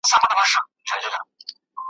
په عمر د پښتو ژبي یو شاعر ,